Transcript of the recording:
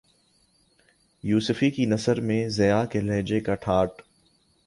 یوسفی کی نثر میں ضیاء کے لہجے کا ٹھاٹ